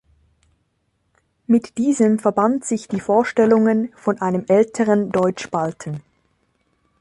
Mit diesem verband sich die Vorstellung von einem älteren Deutschbalten.